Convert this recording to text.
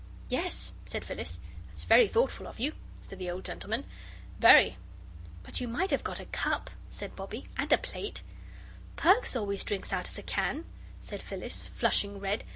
"Yes," said Phyllis. "It's very thoughtful of you," said the old gentleman, "very." "But you might have got a cup," said Bobbie, "and a plate." "Perks always drinks out of the can," said Phyllis, flushing red.